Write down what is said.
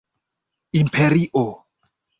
imperio